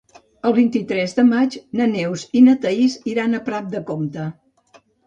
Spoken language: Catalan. El vint-i-tres de maig na Neus i na Thaís iran a Prat de Comte.